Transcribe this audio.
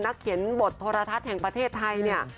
เขียนบทโทรทัศน์แห่งประเทศไทยเนี่ย